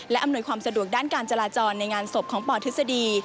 อำนวยความสะดวกด้านการจราจรในงานศพของปทฤษฎี